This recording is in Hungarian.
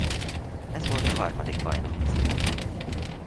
Ez volt a harmadik bajnoki címük.